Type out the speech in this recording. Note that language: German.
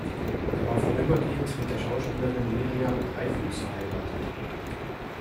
Er war vorübergehend mit der Schauspielerin Mirjam Dreifuss verheiratet.